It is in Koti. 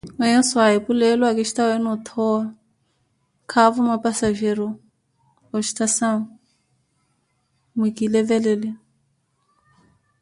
Mweyo swahipu leelo akisitaweeni othowa, kaawo mapsajero ostasau, mwikilevelele.